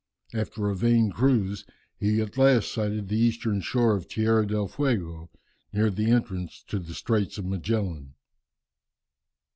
After a vain cruise, he at last sighted the eastern shore of Tierra del Fuego, near the entrance to the Straits of Magellan.